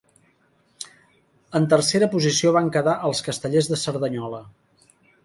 En tercera posició van quedar els Castellers de Cerdanyola.